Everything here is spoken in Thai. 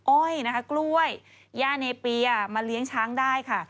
โอ้ยกล้วยย่าเนปีมาเลี้ยงช้างได้ค่ะ